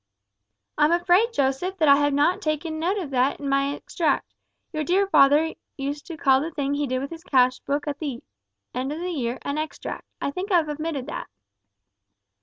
"I'm afraid, Joseph, that I have not taken note of that in my extract your dear father used to call the thing he did with his cash book at the end of the year an extract I think I've omitted that."